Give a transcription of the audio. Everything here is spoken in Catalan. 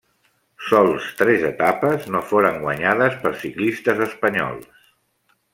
Sols tres etapes no foren guanyades per ciclistes espanyols.